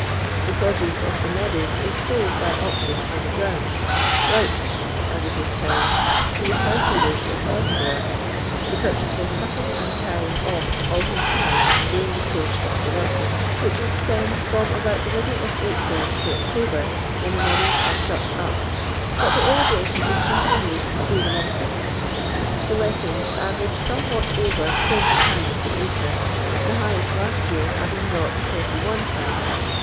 The p.n duce of the meadows is sold by auction on the ground, 'rouped,' as it is termed, to the cow feeders of Edinburgh, the purchaser cutting and carrying off all he can during the course of tks letting, which extends from about the middle of April to October, when the meadnw'g are shut n:, but the irrigation is continued thmuiih the wint' r. The lettinsrs average somewhat over 2m/. the acn: the highest last year having broirght IML, and m.